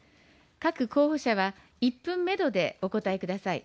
各候補者は、１分メドでお答えください。